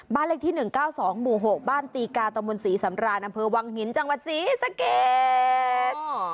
เลขที่๑๙๒หมู่๖บ้านตีกาตมศรีสำรานอำเภอวังหินจังหวัดศรีสะเกด